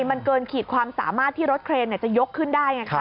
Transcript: มันเกินขีดความสามารถที่รถเครนจะยกขึ้นได้ไงคะ